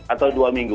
atau dua minggu